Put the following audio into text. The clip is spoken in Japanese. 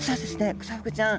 クサフグちゃん